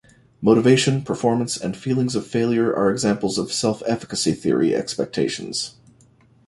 Motivation, performance, and feelings of failure are examples of self-efficacy theory expectations.